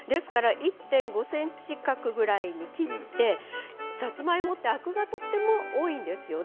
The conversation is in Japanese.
１．５ｃｍ角ぐらいに切ってさつまいもはアクがとても多いんですね。